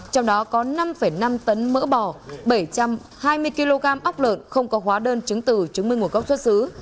trong đó có năm năm tấn mỡ bò bảy trăm hai mươi kg ốc lợn không có hóa đơn chứng từ chứng minh nguồn gốc xuất xứ